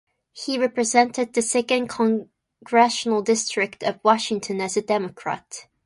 He represented the Second Congressional District of Washington as a Democrat.